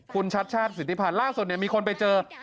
คุณชัชชาสิทธิพันธ์ล่างส่วนนี้มีคนไปเจอ